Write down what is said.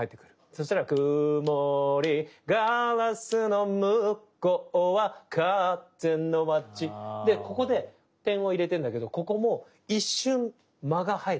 そしたらくもりガラスのむこうはかぜのまちでここで点を入れてんだけどここも一瞬間が入る。